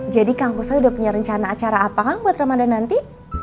jadi kangku sudah punya rencana acara apa kan buat ramadan nanti